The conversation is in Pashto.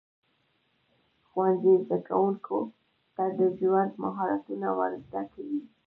ښوونځی زده کوونکو ته د ژوند مهارتونه ورزده کوي.